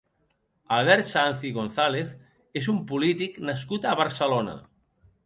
Albert Sanz i González és un polític nascut a Barcelona.